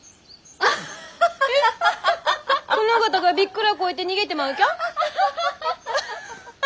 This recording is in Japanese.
殿方がびっくらこいて逃げてまうきゃ？